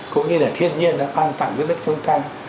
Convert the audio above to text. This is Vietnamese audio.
cũng như là thiên nhiên đã ban tặng với nước chúng ta